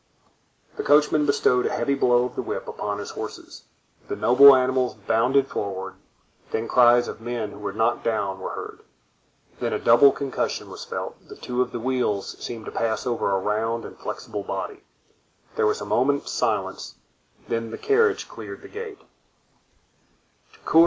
The coachman bestowed a heavy blow of the whip upon his horses; the noble animals bounded forward; then cries of men who were knocked down were heard; then a double concussion was felt, and two of the wheels seemed to pass over a round and flexible body. There was a moment's silence, then the carriage cleared the gate.